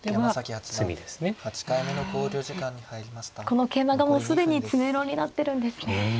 この桂馬がもう既に詰めろになってるんですね。